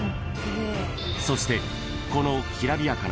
［そしてこのきらびやかな］